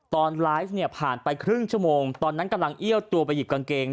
ตอนไลฟ์เนี่ยผ่านไปครึ่งชั่วโมงตอนนั้นกำลังเอี้ยวตัวไปหยิบกางเกง